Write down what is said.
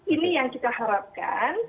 ini yang kita harapkan